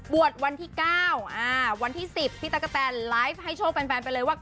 วันที่๙วันที่๑๐พี่ตั๊กกะแตนไลฟ์ให้โชคแฟนไปเลยว่า